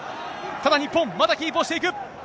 ただ日本、まだキープをしていく。